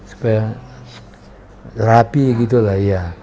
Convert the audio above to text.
supaya rapi gitu lah ya